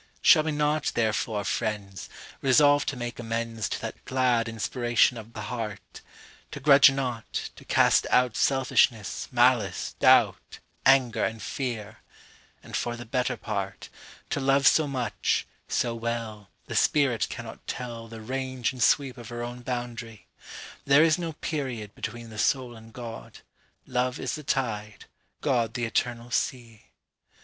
Shall we not, therefore, friends, Resolve to make amendsTo that glad inspiration of the heart; To grudge not, to cast outSelfishness, malice, doubt, Anger and fear; and for the better part, To love so much, so well, The spirit cannot tellThe range and sweep of her own boundary! There is no periodBetween the soul and God; Love is the tide, God the eternal sea.